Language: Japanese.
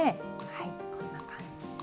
はいこんな感じ。